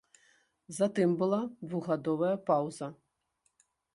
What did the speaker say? Затым была двухгадовая паўза.